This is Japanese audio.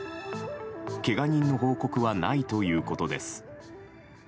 けが人の報告はないということです。